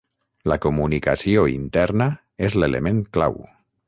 La comunicació interna és l’element clau.